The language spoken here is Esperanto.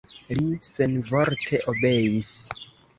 Li senvorte obeis.